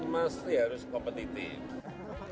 masih harus kompetitif